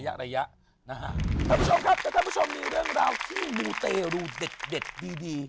ท่านผู้ชมครับแต่ท่านผู้ชมมีเรื่องราวที่มูเตรูเด็ดดีดี